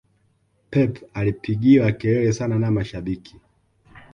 pep alipigiwa kelele sana na mashabiki